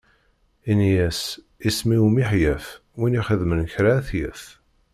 Ini-as: isem-iw Miḥyaf, win ixedmen kra ad t-yaf.